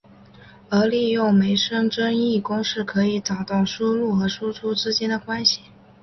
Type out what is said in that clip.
而利用梅森增益公式可以找到输入和输出之间的关系。